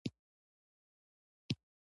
د افغانستان په منظره کې ننګرهار ښکاره ده.